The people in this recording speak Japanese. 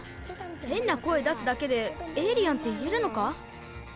へんな声出すだけでエイリアンって言えるのか？